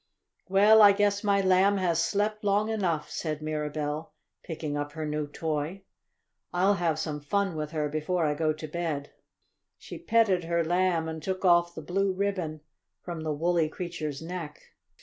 "Well, I guess my Lamb has slept long enough," said Mirabell, picking up her new toy. "I'll have some fun with her before I go to bed." She petted her Lamb, and took off the blue ribbon from the woolly creature's neck.